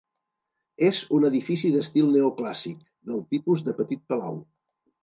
És un edifici d'estil neoclàssic del tipus de petit palau.